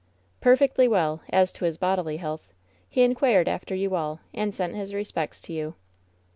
"Perfectly well, as to his bodily health. He inquired after you all, and sent his respects to you."